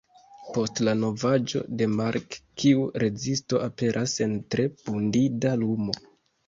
Post la novaĵo de Mark tiu rezisto aperas en tre dubinda lumo.